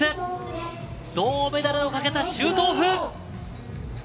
銅メダルをかけたシュートオフ。